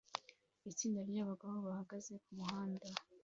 Itsinda ryabagabo bahagaze kumuhanda